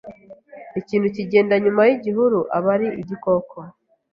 Ikintu kigenda inyuma yigihuru abari igikoko